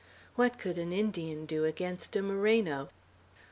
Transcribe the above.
What could an Indian do against a Moreno!